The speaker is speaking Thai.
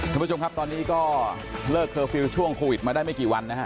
คุณผู้ชมครับตอนนี้ก็เลิกเคอร์ฟิลล์ช่วงโควิดมาได้ไม่กี่วันนะฮะ